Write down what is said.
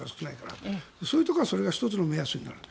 そういうところは１つの目安となる。